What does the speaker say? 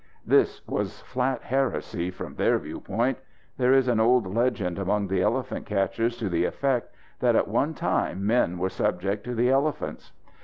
This was flat heresy from their viewpoint. There is an old legend among the elephant catchers to the effect that at one time men were subject to the elephants.